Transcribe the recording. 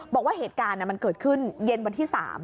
บอกว่าเหตุการณ์มันเกิดขึ้นเย็นวันที่๓